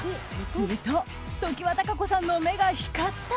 すると常盤貴子さんの目が光った。